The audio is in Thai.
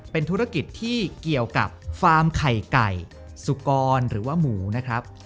เป็นธุรกิจที่เกี่ยวกับฟาร์มไข่ไก่สุกรหรือว่าหมูนะครับ